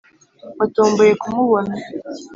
watomboye kumubona,